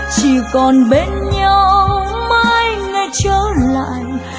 chỉ còn bên nhau mãi ngay trước lại